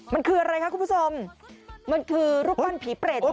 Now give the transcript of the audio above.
มันคืออะไรคะคุณผู้ชมมันคือรูปปั้นผีเปรตจริง